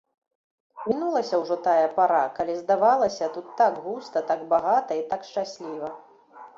Мінулася ўжо тая пара, калі здавалася тут так густа, так багата і так шчасліва.